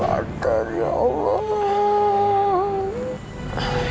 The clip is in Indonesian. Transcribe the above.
ajar ya allah